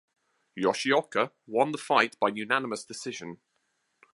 Yoshioka won the fight by unanimous decision.